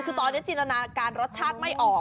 คือตอนนี้จินตนาการรสชาติไม่ออก